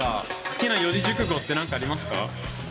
好きな四字熟語ってなんかありますか。